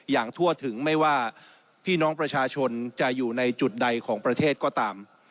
อย่างทั่วถึงไม่ว่าพี่น้องประชาชนจะอยู่ในจุดใดของประเทศก็ตาม